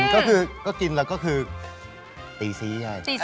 ก็คือก็กินแล้วก็คือตีซีไง